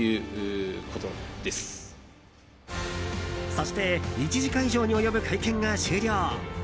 そして、１時間以上に及ぶ会見が終了。